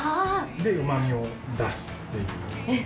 で、うまみを出すっていう。